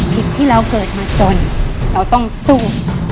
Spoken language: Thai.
ที่เราเกิดมาจนเราต้องสู้